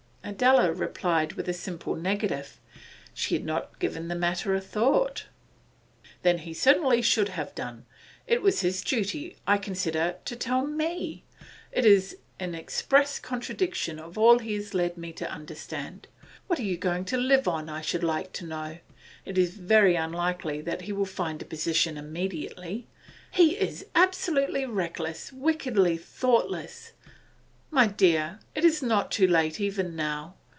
Adela replied with a simple negative. She had not given the matter a thought. 'Then he certainly should have done. It was his duty, I consider, to tell me. It is in express contradiction of all he has led me to understand. What are you going to live on, I should like to know? It's very unlikely that he will find a position immediately. He is absolutely reckless, wickedly thoughtless! My dear, it is not too late even now.